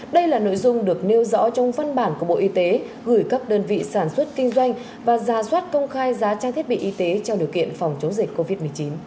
đây là nội dung được nêu rõ trong văn bản của bộ y tế gửi các đơn vị sản xuất kinh doanh và ra soát công khai giá trang thiết bị y tế trong điều kiện phòng chống dịch covid một mươi chín